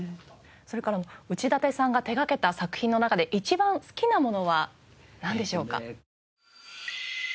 それから内館さんが手がけた作品の中で一番好きなものはなんでしょうか？